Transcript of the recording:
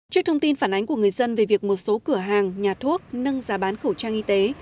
trước thông tin phản ánh của người dân về việc một số cửa hàng nhà thuốc nâng giá bán khẩu trang y tế